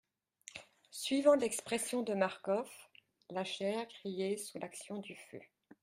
Suivant l'expression de Marcof, la chair grillait sous l'action du feu.